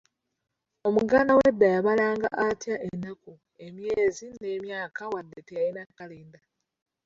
Omuganda w’edda yabalanga atya ennaku, emyezi n’emyaka wadde teyalina kalenda?